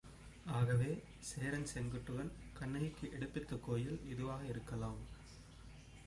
ஆகவே சேரன் செங்குட்டுவன் கண்ணகிக்கு எடுப்பித்த கோயில் இதுவாக இருக்கலாம்.